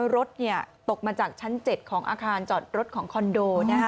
รถตกมาจากชั้น๗ของอาคารจอดรถของคอนโด